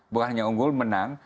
bukan hanya unggul menang